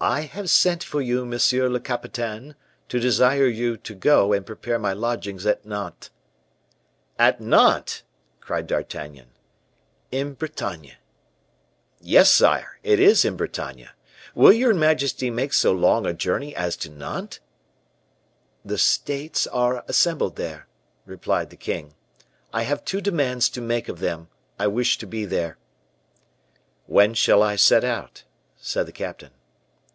"I have sent for you, monsieur le capitaine, to desire you to go and prepare my lodgings at Nantes." "At Nantes!" cried D'Artagnan. "In Bretagne." "Yes, sire, it is in Bretagne. Will you majesty make so long a journey as to Nantes?" "The States are assembled there," replied the king. "I have two demands to make of them: I wish to be there." "When shall I set out?" said the captain.